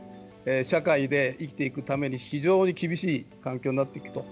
社会で生きていくために非常に厳しい環境になっていくと。